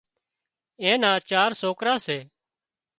اين نا چار سوڪرا سي